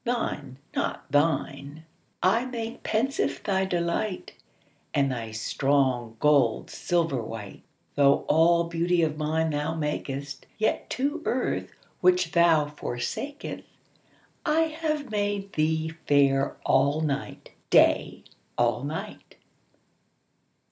Thine, not thine. I make pensive thy delight, And thy strong gold silver white. Though all beauty of nine thou makest, Yet to earth which thou forsakest I have made thee fair all night, Day all night.